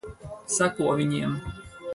Seko viņiem.